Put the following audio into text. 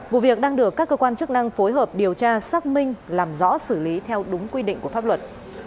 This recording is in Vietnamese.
vụ việc đang được các cơ quan chức năng phối hợp điều tra xác minh làm rõ xử lý theo đúng quy định của pháp luật